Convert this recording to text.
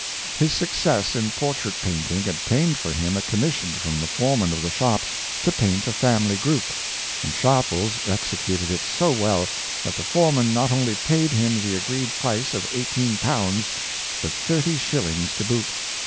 His success in portrait painting obtained for him a commission from the foreman of the shop to paint a family group, and Sharpies executed it so well that the foreman not only paid him the agreed price of eighteen pounds, but thirty shillings to boot.